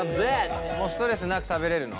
もうストレスなく食べれるの？